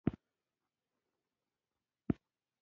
د وفاداري لوړه یې ورسره وکړه.